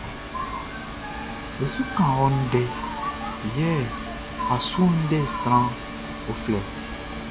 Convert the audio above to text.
E su kan ɔ ndɛ yɛ a su index sran uflɛ.